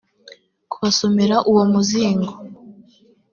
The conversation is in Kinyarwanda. kubasomera uwo muzingo